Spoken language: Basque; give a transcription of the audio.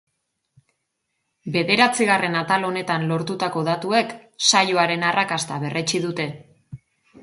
Bederatzigarren atal honetan lortutako datuek saioaren arrakasta berretsi dute.